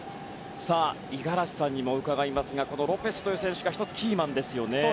五十嵐さんにも伺いますがロペスという選手が１つキーマンですよね。